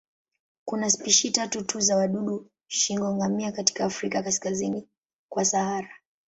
Kuna spishi tatu tu za wadudu shingo-ngamia katika Afrika kaskazini kwa Sahara.